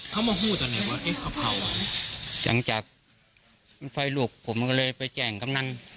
เขามาพูดตอนเนี้ยว่าเอ็กซ์เขาเผาจากจากไฟลูกผมก็เลยไปแจ่งกำนันต์